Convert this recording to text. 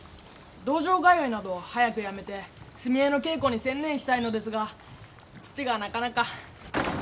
道場通いなど早くやめて墨絵の稽古に専念したいのですが父がなかなか。